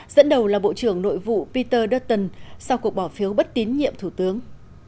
dẫn đầu là bộ trưởng nội vụ peter deton sau cuộc bỏ phiếu bất tín nhiệm thủ tướng